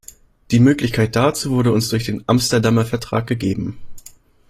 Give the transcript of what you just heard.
Die Möglichkeit dazu wurde uns durch den Amsterdamer Vertrag gegeben.